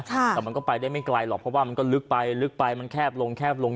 แต่มันก็ไปได้ไม่ไกลหรอกเพราะว่ามันก็ลึกไปลึกไปมันแคบลงแคบลง